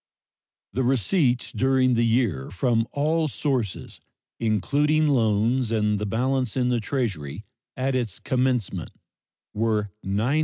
The receipts during the year from all sources, including loans and balance in the Treasury at its commencement, were $901,125,674.